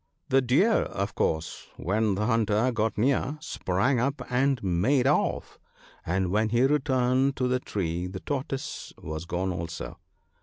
The Deer, of course, when the hunter got near, sprang up and made off, and when he returned to the tree the Tortoise was gone also.